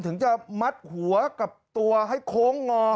ถึงจะมัดหัวกับตัวให้โค้งงอ